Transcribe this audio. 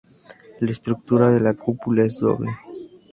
La estructura de la cúpula es doble.